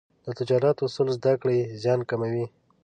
د تجارت اصول زده کړه، زیان کموي.